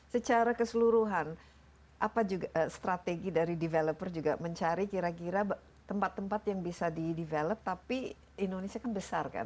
secara keseluruhan apa juga strategi dari developer juga mencari kira kira tempat tempat yang bisa di develop tapi indonesia kan besar kan